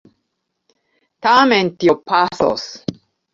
Tamen tio pasos.